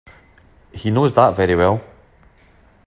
He knows that very well.